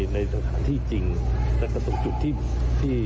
ในสถานที่จริงแล้วก็ตรงจุดที่